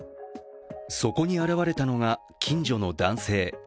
そこに現れたのが近所の男性。